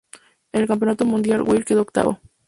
En el Campeonato Mundial, Weir quedó octavo.